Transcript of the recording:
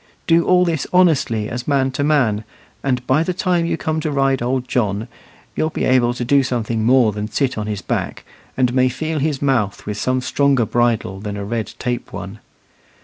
Do all this honestly as man to man, and by the time you come to ride old John, you'll be able to do something more than sit on his back, and may feel his mouth with some stronger bridle than a red tape one.